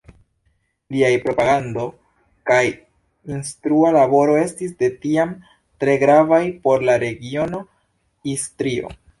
Liaj propagando kaj instrua laboro estis de tiam tre gravaj por la regiono Istrio.